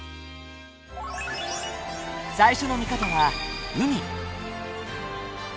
最初の見方は海。